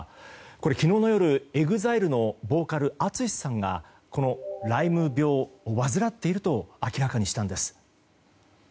これ、昨日の夜ＥＸＩＬＥのボーカルＡＴＳＵＳＨＩさんがこのライム病を患っていると明らかにしたんです。